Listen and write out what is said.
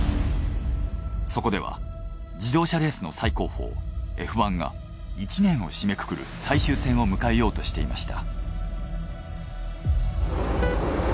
そこでは自動車レースの最高峰Ｆ１が１年を締めくくる最終戦を迎えようとしていました。